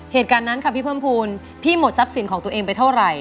เหตุการณ์นั้นค่ะพี่เพิ่มภูมิพี่หมดทรัพย์สินของตัวเองไปเท่าไหร่